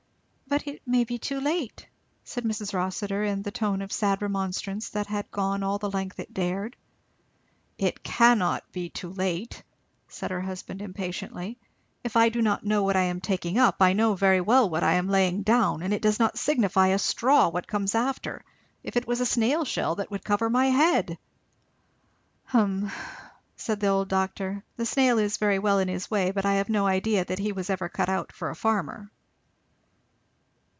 "But it may be too late," said Mrs Rossitur, in the tone of sad remonstrance that had gone all the length it dared. "It can not be too late!" said her husband impatiently. "If I do not know what I am taking up, I know very well what I am laying down; and it does not signify a straw what comes after if it was a snail shell, that would cover my head!" "Hum " said the old doctor, "the snail is very well in his way, but I have no idea that he was ever cut out for a farmer."